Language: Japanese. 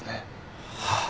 はあ。